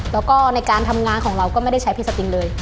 แล้วก็ในการทำงานของเราก็ไม่ได้ใช้พี่สติงเลย